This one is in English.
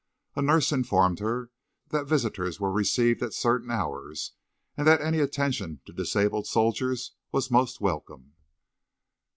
A nurse informed her that visitors were received at certain hours and that any attention to disabled soldiers was most welcome.